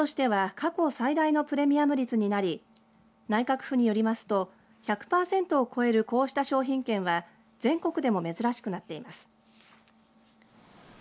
市としては過去最大のプレミアム率になり内閣府によりますと１００パーセントを超えるこうした商品券は全国でも珍しくなっています。